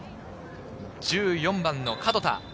１４番・角田。